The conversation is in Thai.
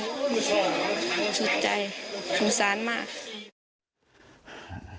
สุดใจสงสารมาก